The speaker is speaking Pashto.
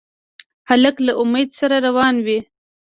هلک له امید سره روان وي.